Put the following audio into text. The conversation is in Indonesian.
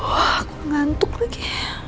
wah aku ngantuk lagi